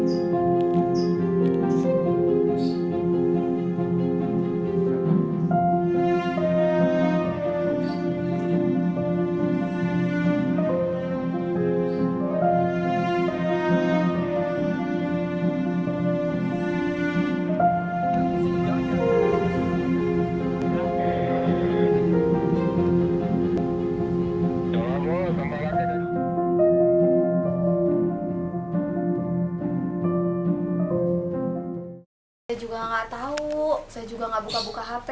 saya juga gak tau saya juga gak buka buka hp